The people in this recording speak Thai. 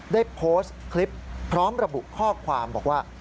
ได้โพสต์คลิปพร้อมระบุข้อความบอกว่า